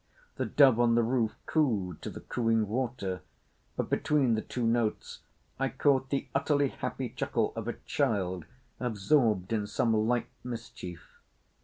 The doves on the roof cooed to the cooing water; but between the two notes I caught the utterly happy chuckle of a child absorbed in some light mischief.